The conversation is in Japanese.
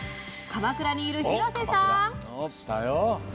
鎌倉にいる廣瀬さん！